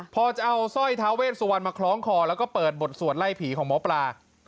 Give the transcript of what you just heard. พอจะเอาสร้อยท้าเวสวรรณมาคล้องคอแล้วก็เปิดบทสวดไล่ผีของหมอปลา